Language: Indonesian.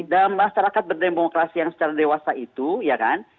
dan masyarakat berdemokrasi yang secara dewasa itu ya kan